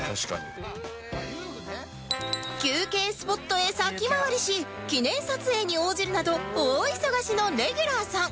休憩スポットへ先回りし記念撮影に応じるなど大忙しのレギュラーさん